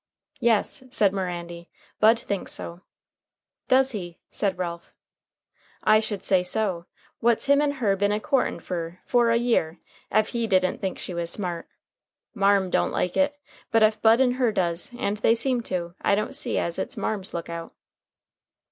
"Yes," said Mirandy, "Bud thinks so." "Does he?" said Ralph. "I should say so. What's him and her been a courtin' fer for a year ef he didn't think she was smart? Marm don't like it; but ef Bud and her does, and they seem to, I don't see as it's marm's lookout."